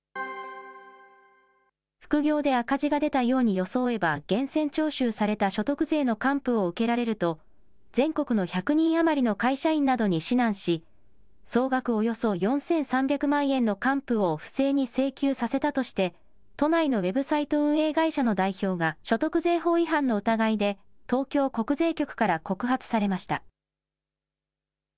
副業で赤字が出たように装えば、源泉徴収された所得税の還付を受けられると、全国の１００人余りの会社員などに指南し、総額およそ４３００万円の還付を不正に請求させたとして、都内のウェブサイト運営会社の代表が、所得税法違反の疑いで、東京国税局から告発されました。